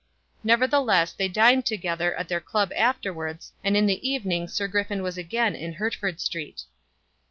Nevertheless, they dined together at their club afterwards, and in the evening Sir Griffin was again in Hertford Street.